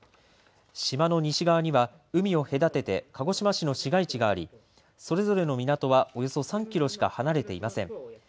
島の西側には海を隔てて鹿児島市の市街地がありそれぞれの港はおよそ３キロしか離れていません。